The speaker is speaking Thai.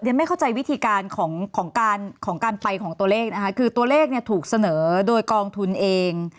ไม่เข้าใจวิธีการของของการของการไปของตัวเลขนะคะคือตัวเลขเนี่ยถูกเสนอโดยกองทุนเอง